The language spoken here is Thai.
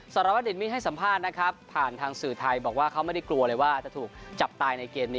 สารวเด่นมีให้สัมภาษณ์นะครับผ่านทางสื่อไทยบอกว่าเขาไม่ได้กลัวเลยว่าจะถูกจับตายในเกมนี้